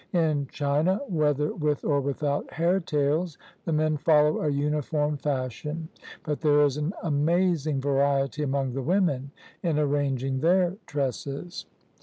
In China, whether with or without hair tails, the men follow a uniform fashion, but there is an amazing variety among the women in arranging their tresses.